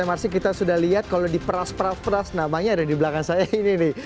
tadi survei smrc kita sudah lihat kalau diperas peras peras namanya ada di belakang saya ini nih